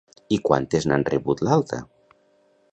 I quantes n'han rebut l'alta?